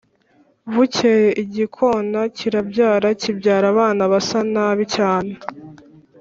bukeye igikona kirabyara kibyara abana basa nabi cyane.